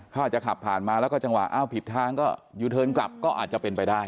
เขาอาจจะขับผ่านมาแล้วก็จังหวะอ้าวผิดทางก็ยูเทิร์นกลับก็อาจจะเป็นไปได้